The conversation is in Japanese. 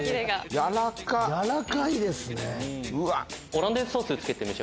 やらかいですね。